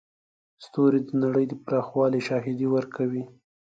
ستوري د نړۍ د پراخوالي شاهدي ورکوي.